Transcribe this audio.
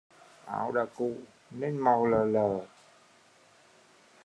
Áo đã cũ nên màu lợ lợ